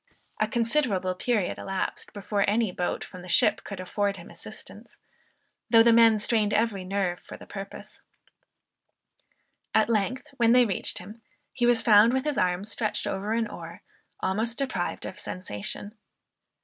A considerable period elapsed, before any boat from the ship could afford him assistance, though the men strained every nerve for the purpose. At length, when they reached him, he was found with his arms stretched over an oar, almost deprived of sensation.